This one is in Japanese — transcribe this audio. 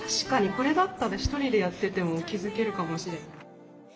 これだったら１人でやってても気付けるかもしれない。